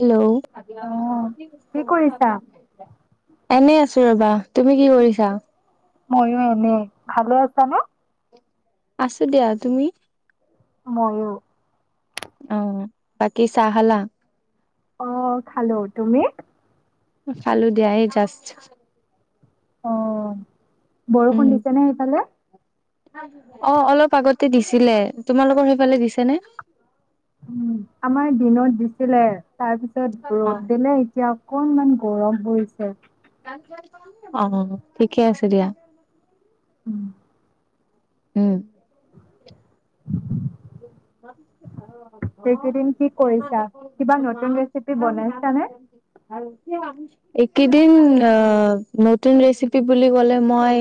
Hello অ কি কৰিছা? [unintelligible] আছো ৰ'বা তুমি কি কৰিছা? ময়ো এনে, ভালে আছানে? আছো দিয়া তুমি? ময়ো! অ বাকি চাহ খালা? অ খালো তুমি? খালো দিয় এই জাস্ট । অ উম বৰষুণ দিছে নে, সেইফালে? অ অলপ আগতে দিছিলে তোমালোকৰ সেইফালে দিছে নে উম আমাৰ দিনত দিছিলে তাৰ পিছত অ ৰ'দ দিলে এতিয়া অকনমান গৰম হৈছে । অ ঠিকে আছে দিয়া উম উম [inaudible] এইকেইদিন কি কৰিছা কিবা নতুন ৰেচিপি বনাইছানে? মাছ এইকেইদিন অ নতুন ৰেচিপি বুলি কলে মই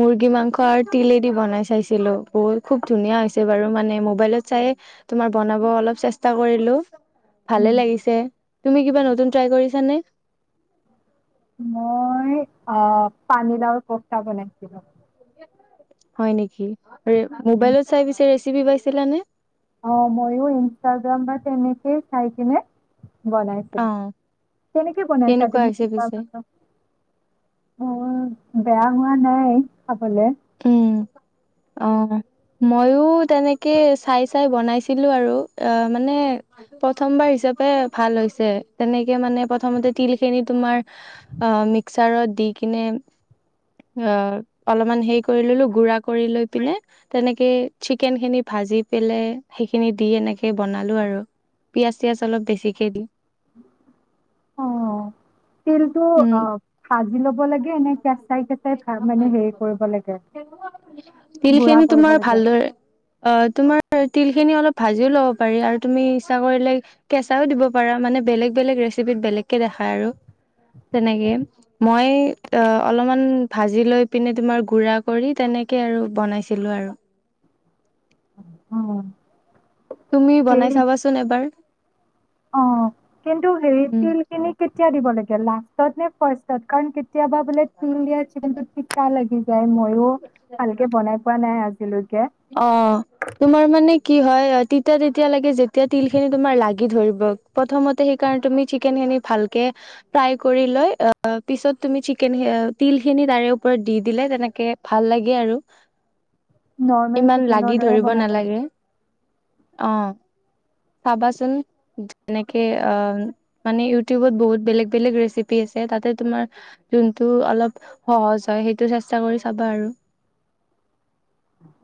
মুৰ্গী মাংস আৰু তিলেদি বনাই চাইছিলো বহুত খুব ধুনীয়া হৈছে বাৰু মানে ম মোবাইলত চাই তোমাৰ বনাব অলপ চেষ্টা কৰিলোঁ ভালে উম, লাগিছে তুমি কিবা নতুন ট্ৰাই কৰিছা নে? মই অ' পানীলাওৰ কফটা বনাইছিলোঁ। হয় নেকি? মানে উম, মোবাইলত চাই বিচাৰি টিপি পাইছিলা নে? অ' মই এই ইনষ্টাগ্ৰাম বা তেনেকেই চাইকিনে বনাইছিলোঁ। অ', কেনেকে বনাইছা কেনেকুৱা তুমি [inaudible] হৈছে পিছে? উম। বেয়া হোৱা নাই খাবলে। উম, অ'। ময়ো তেনেকে চাই - চাই বনাইছিলোঁ আৰু। অ' মানে প্ৰথমবাৰ হিচাপে ভাল হৈছে। তেনেকে মানে প্ৰথমতে তিলখিনি তোমাৰ অ' মিক্সাৰত দি কিনে অ' অলপমান হে কৰি ললোঁ । গুৰা কৰি লৈ পিনে, তেনেকে চিকেনখিনি ভাজি পেলাই সেইখিনি দি এনেকে বনালোঁ আৰু। পিয়াজ- টিয়াজ অলপ বেছিকে দি। অ, তিলটো উম, অ' খাম মানে হেৰি কৰিব লাগে [inaudible] গুড়া তিলখিনি কৰিব তোমাৰ লাগে? ভালদৰে অ' তোমাৰ তিল খিনি অলপ ভাজিও ল'ব পাৰি। আৰু তুমি ইচ্ছা কৰিলে কেঁচাও দিব পাৰা । মানে বেলেগ - বেলেগ ৰেচিপিত বেলেগকে দেখাই আৰু, তেনেকে । মই অ'- অলপমান ভাজি লৈ পিনে তোমাৰ গুৰা কৰি তেনেকে আৰু বনাইছিলোঁ আৰু। উম তুমি বনাই চাবাচোন এবাৰ। অ', কিন্তু হেৰি উম। তিলখিনি কেতিয়া দিব লা লাষ্টত নে ফাৰ্ষ্টত? কাৰণ কেতিয়াবা বোলে তিল দিয়া চিকেনটোত তিতা লাগি যায় । ময়ো ভালকে বনাই পোৱা নাই আজি হেল্ল'? অ' তোমাৰ মানে কি হয় তিতা তেতিয়া লাগে, যেতিয়া তিলখিনি তোমাৰ লাগি ধৰিব । প্ৰথমতে সেইকাৰণে তুমি চিকেনখিনি ভালকে ফ্ৰাই কৰি লৈ, অ'- পিছত তুমি চিকেন- অ'- তিলখিনি তাৰে ওপৰত দি দিলে তেনেকে ভাল লাগে আৰু। নৰ্মেল ইমান চিকেনৰ লাগি দৰে ধৰিব বনাব লাগে। নালাগে। অ'। চাবাচোন এনেকে অ'- মানে ইটিউবত বহুত বেলেগ - বেলেগ ৰেচিপি আছে । তাতে তোমাৰ যোনটো অলপ সহজ হয়, সেইটো চেষ্টা কৰি চাবা আৰু।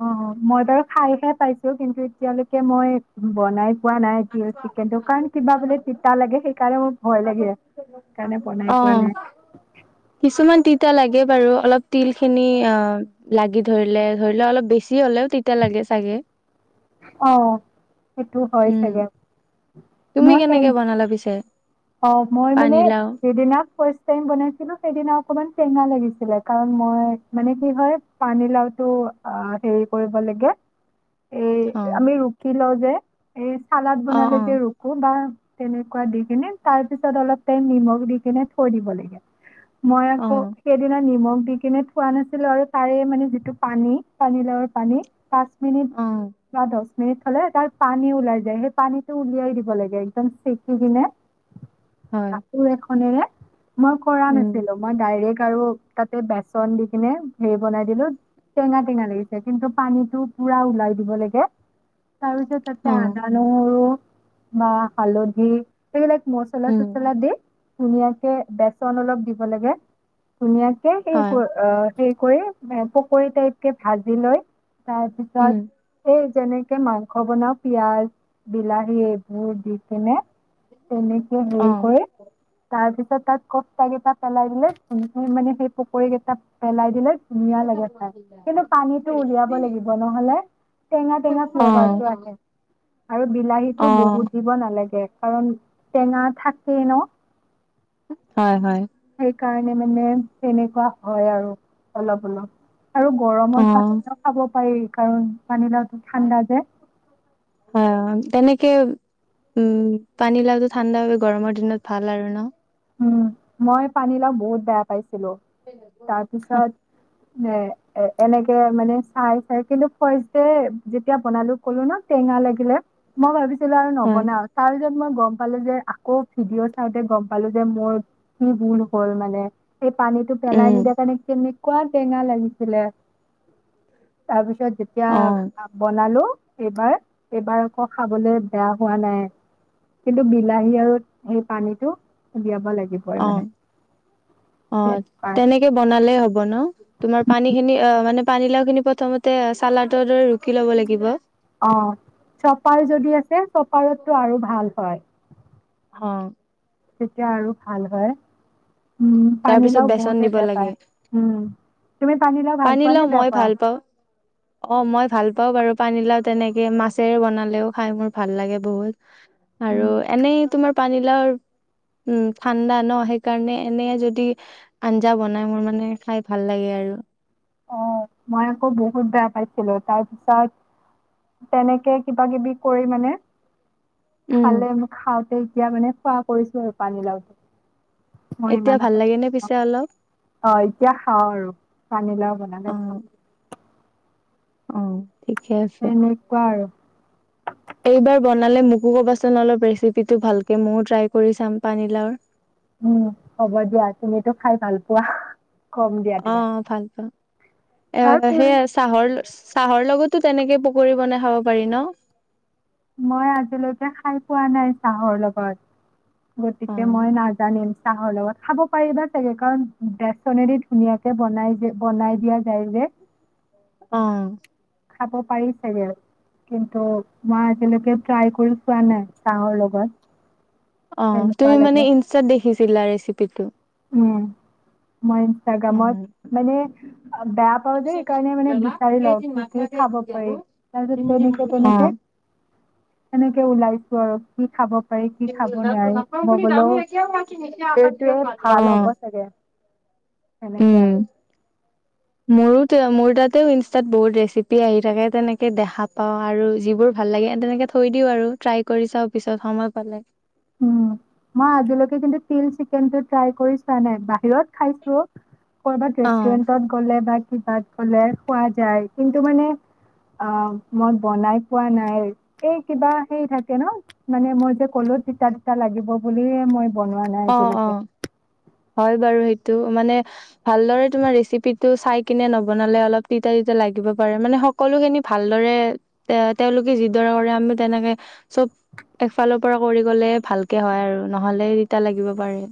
অ' মই বাৰু খাইহে পাইছোঁ । কিন্তু এতিয়ালৈকে মই বনাই পোৱা নাই তিল চিকেনটো । কাৰণ কিবা বোলে তিতা লাগে । সেইকাৰণে মোৰ ভয় লাগে। সেইকাৰণে বনাই পোৱা অ নাই। কিছুমান তিতা লাগে বাৰু । অলপ তিলখিনি অ' লাগি ধৰিলে । ধৰি লোৱা অলপ বেছি হলেও তিতা লাগে চাগে। অ'। সেইটো হয় উম চাগে। তুমি মই কেনেকে সেই- বনালা পিছে? অ' মই মানে পানীলাও সেইদিনা ফাষ্ট টাইম বনাইছিলোঁ, সেইদিনা অকনমান টেঙা লাগিছিলে । কাৰণ মই মানে কি হয়, পানীলাওটো অ'- হেৰি কৰিব লাগে অ এ আমি ৰুকি লও যে। এই চালাদ অ বনালে অ যে ৰুকো বা তেনেকোৱা দি কিনে তাৰ পিছত অলপ টাইম নিমখ দি কিনে থৈ দিব লাগে মই অ আকৌ সেইদিনা নিমখ দি কিনে থোৱা নাছিলো আৰু তাৰে মানে যিটো পানী পানীলাওৰ পানী পাচঁ মিনিট অ বা দছ মিনিট হলে তাৰ পানী ওলাই যায় সেই পানীতটো উলিয়াই দিব লাগে একদম চেকি কিনে হয় কাপোৰ এখনেৰে মই কৰা উম নাছিলো মই ডাইৰেক্ট আৰু তাতে বেচন দি কিনে হেৰি বনাই দিলো টেঙা টেঙা লাগিছে কিন্তু পানীটো পুৰা ওলাই দিব লাগে তাৰপিছত অ তাতে আদা নহৰু বা হালধি সেইবিলাক মছলা উম চছলা দি ধুনীয়াকে বেচন অলপ দিব বেলাগে ধুনীয়াকে সেই হয় অ হেৰি কৰি পকৰী টাইপ কে ভাজি লৈ উম তাৰপিছত এই যেনেকে মাংস বনাও পিয়াজ বিলাহী এইবোৰ দি কিনে তেনেকে অ হেৰি কৰি তাৰপিছত তাত কপ চাৰিটা পেলাই দিলে হে মানে সেই পকৰী কেইটা পেলাই দিলে ধুনীয়া লাগে চাই কিন্তু পানীটো উলিয়াব লাগিব নহলে টেঙা টেঙা অ ফ্লেভাৰটো আহে আৰু বিলাহীটো অ বহুত দিব নালাগে কাৰণ টেঙা থাকে ন হয়-হয়, কাৰণে মানে তেনেকুৱা হয় আৰু অলপ-অলপ। আৰু অ গৰমত পাচটা খাব পাৰি। কাৰণ পানী লেওঁতো ঠাণ্ডা যে হয় অ তেনেকে উম, পানী লাও যে ঠাণ্ডা গৰমৰ দিনত ভাল আৰু ন। উম, মই পানী লাও বহুত বেয়া পাইছ তাৰপিছত, এ- এনেকে মানে চাই - চাই কেনে ফাষ্ট ডে যেতিয়া বনালোঁ কলো ন', টেঙা লাগিলে। মই ভাবিছিলোঁ আৰু হয় নবনাওঁ । তাৰ পিছত মই গম পালোঁ যে, আকৌ ভিডিঅ' চাওঁতে গম পালোঁ যে মোৰ কি ভুল হ'ল মানে। সেই পানীটো পেলাই উম নিদিয়াৰ কাৰণে কেনে কুৱা টেঙা লাগিছিলে। তাৰপিছত পিছত অ যেতিয়া বনালোঁ এইবাৰ - এইবাৰ আকৌ খাবলৈ বেয়া হোৱা নাই। কিন্তু বিলাহী আৰু সেই পানীটো দিয়া অ', অ'। তেনেকুৱা তেনেকে বনালেই হ'ব ন'? তোমাৰ পানীখিনি, অ' মানে পানীলাওখিনি প্ৰথমতে চালাদৰ দৰে ৰুকি ল'ব লাগিব। অ', চপাৰ যদি আছে, চপাৰতটো আৰু ভাল হয়। অ'। তেতিয়া আৰু ভাল হয়। উম তাৰপিছত পানীলাও বেচন বহুতে দিব বেয়া লাগে পায় । উম তুমি ভাল পোৱা নে পানীলাও বেয়া মই পোৱা ভাল পাওঁ। অ', মই ভাল পাওঁ বাৰু। পানীলাও তেনেকে মাছেৰে বনালেও খাই মোৰ ভাল লাগে বহুত। উম আৰু এনেই তোমাৰ পানীলাওৰ উম, ঠাণ্ডা ন', সেইকাৰণে এনে যদি যদি আঞ্জা বনায়, মোৰ মানে খাই ভাল লাগে আৰু। অ', মই আকৌ বহুত বেয়া পাইছিলোঁ। তাৰপিছত তেনেকে কিবা-কিবি কৰি মানে উম খালেনো খাওঁতে এতিয়া মানে খোৱা কৰিছোঁ আৰু পানীলাওটো। মই এতিয়া ইমান ভাল এটা লাগে নে পিছে অলপ? অ' এতিয়া খাওঁ আৰু। পানীলাও অ বনালে খাওঁ। অ'। ঠিকে আছে সেনেকুৱা আৰু এইবাৰ বনালে মোকো ক'বাচোন। অলপ ৰেচিপিটো ভালকে ময়ো ট্ৰাই কৰি চাম, পানীলাওৰ। উম, হ'ব দিয়া। তুমিতো খাই ভাল পোৱা। কম দিয়া তোমাক অ' ভাল পাওঁ । এ- সেই আৰু চাহৰ ল চাহৰ লগতো তেনেকে পকৰি বনাই খাব পাৰি ন'? মই আজিলৈকে খাই পোৱা নাই চাহৰ লগত। অ গতিকে মই নাজানিম। চাহৰ লগত খাব পাৰিবা চাগে । কাৰণ বেচনেদি ধুনীয়াকে বনাই যে- বনাই দিয়া যায় যে। অ'। খাব পাৰি চাগে, কিন্তু মই আজিলৈকে ট্ৰাই কৰিো পোৱানাই চাহৰ লগত। অ কেনেকুৱা তুমি মানে লাগে ইনষ্টাত দেখিছ চিলা ৰেচিপিটো? উম। মই অ ইনষ্টাগ্ৰামত, মানে বেয়া পাও যে সেইকাৰণে মানে বিচাৰি লও কি-কি খাব পাৰি। তাৰপিছত অ তেনেকে-তেনেকে-তেনেকে ওলাইছ আৰু কি খাব মই বোলো এইটোৱে [unintelligible] ভাল হ'ব চাগে? সেনেকে উম আৰু। মোৰো টো, মোৰ তাতেও ইষ্টাট বহুত ৰেচিপি আহি থাকে, তেনেকে দেখা পাওঁ আৰু যি বোৰ ভাল লাগে এ তেনেকে থৈ দিওঁ আৰু, ট্ৰাই কৰী চাও পিছত সময় পালে। উ। মই আজিলৈকে কিন্তু তিল চিকেনটো ট্ৰাই কৰি চোৱা নাই, বাহিৰত খাইছো। ক'বাত অ ৰেষ্টুৰেণ্টত গ'লে বা কিবাত কলে খোৱা যায়, কিন্তু মানে অ মই বনাই খোৱা নাই এই কিবা হে থাকে ন মানে মই যে কলো তিতা-তিতা লাগিব বুলিুলে মই বনোৱা নাই অ-অ আজিলৈকে হয় বাৰু সেইটো টো মানে ভালদৰে তোমাৰ ৰেচিপিটো চাই কিনে নবনালে অলপ তিতা-তিতা লাগিব পাৰে, মানে সকলো খিনি ভালদৰে এ তেওঁলোকে যিদৰে কৰে আমি তেনেকে চব এফালৰ পৰা কৰি গলে ভালকে হয় আৰু নহলে লাগিব পাৰে।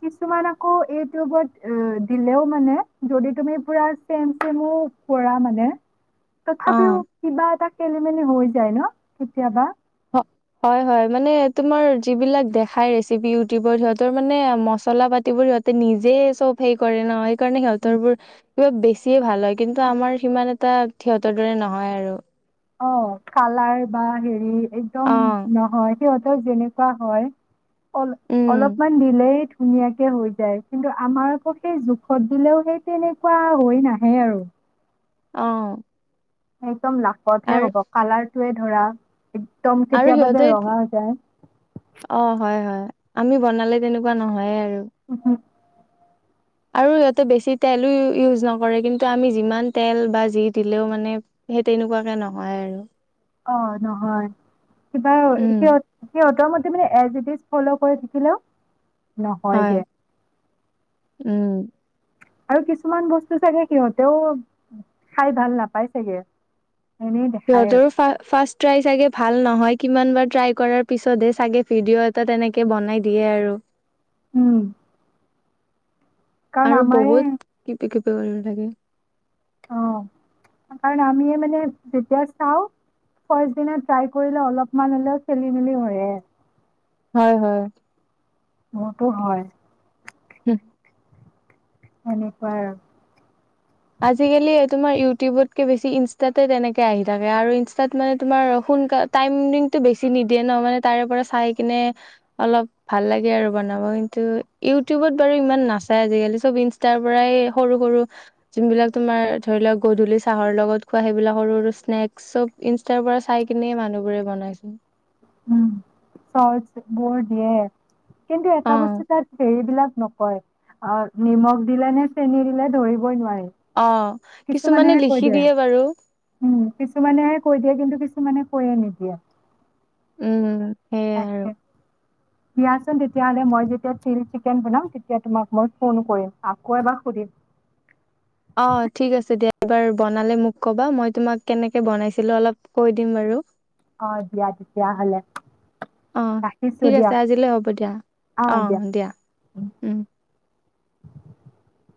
কিছুমান আকৌ ইউটিউবত দিলেও মানে যদি তুমি পুৰা চেম চেমো কৰা মানে, অ তথাপিও কিবা এটা খেলি মেলি হৈ যায় ন, কেতিয়াবা? হয়-হয় মানে তোমাৰ যিবিলাক দেখাই ৰেচিপি ইউটিউবত সিহঁতৰ মানে মছলা পাতিবোৰ সিহঁতে নিজে চব সে কৰে নহয় কাৰণে সিহঁতাৰবোৰ কিবা বেছিয়ে ভাল হয় কিন্তু আমাৰ সিমান এটা সিহঁতৰ দৰে নহয় আৰু অ, কালাৰ অহ হেৰি অ একদম নহয়। সিহঁতৰ যেনেকুৱা হয়। অল উম অলপমান দিলেই ধুনীয়াকে হৈ যায় কিন্তু আমাৰ আকৌ সেই জোখত দিলেও সেইটো তেনেকুৱা হৈ নাহে আৰু অহ। অ। একদম লাকতহে হ'ব কালাৰ টোৱে ধৰা একদম আৰু কেতিয়াবা সিহঁতে যে ৰঙা হৈ যায়। অ হয় হয় আমি বনালে তেনেকুৱা নহয় আৰু উম হু আৰু সিহঁতে বেছি তেলো ইউজ নকৰে কিন্তু আমি যিমান তেল বা যি দিলেও মানে সেই তেনেকুৱাকে নহয় আৰু অ নহয় কিবা উম সিহঁত সিহঁতৰ মতে সি মানে এ জি ই ফলৌ কৰি থই ছিলে। হয় নহয়গে। উম আৰু কিছুমান বস্তু চাগে সিহঁতেও খাই ভাল নাপায় চাগে। এনেই দেখায় আৰু সিহঁতৰো ফা- ফাৰ্ষ্ট ট্ৰাই চাগে ভাল নহয় । কিমানবাৰ ট্ৰাই কৰাৰ পিছতহে চাগে ভিডিঅ' এটা তেনেকে বনাই দিয়ে আৰু। উম কাৰণ আৰু আমাৰে বহুত কিবা কি [unintelligible] অ' কাৰণ আমিয়ে মানে যেতিয়া চাওঁ, ফাৰ্চ দিনা ট্ৰাই কৰিলে অলপমান হ'লেও খেলি-মেলি হয়ে। হয় - হয়। মোৰটো হয়। [unintelligible] এনেকুৱা আৰু। আজিকালি তোমাৰ ইউটিউবতকে বেছি ইনষ্টাতে তেনেকে আহি থাকে । আৰু ইনষ্টাত মানে তোমাৰ সোনকাল- টাইমিঙটো বেছি নিদিয়ে ন', মানে তাৰ পৰা চাই কিনে অলপ ভাল লাগে আৰু বনাব । কিন্তু ইউটিউবত বাৰু ইমান নাচায় আজিকালি। সব ইনষ্টাৰ পৰাই সৰু - সৰু যোনবিলাক তোমাৰ ধৰি লওঁক, গধূলি চাহৰ লগত খোৱা, সেইবিলাক সৰু সৰু স্নেক, চব ইনষ্টাৰ পৰা চাই কিনে মানুহবোৰে বনাইচোন। চ'ৰ্ট্ছবোৰ দিয়ে। কিন্তু অ এটা বস্তু তাত হেৰিবিলাক নক হয়। অ' নিমখ দিলে নে চেনী দিলে ধৰিবই নোৱাৰে। অ'। কিছুমানে কিছুমানেহে কৈ লিখি দিয়ে । বাৰু উম, কিছুমানেহে কৈ দিয়ে। কিন্তু কিছুমানে কৰি নিদিয়ে। উম সেইয়াই আৰু তাকে। দিয়াচোন । তেতিয়া হ'লে মই যেতিয়া তিল চিকেন বনাম, তেতিয়া তোমাক মই ফোন কৰিম । আকৌ এবাৰ সুধিম। এবাৰ বনালে মোক ক'বা । মই তোমাক কেনেকে বনাইছিলোঁ অলপ কৈ দিম বাৰু। অ' দিয়া তেতিয়াহ'লে অ । ৰাখিছোঁ ঠিক দিয়া আছে আজিলৈ হ'ব দিয়া । অ' দিয়া। উম। [unintelligible]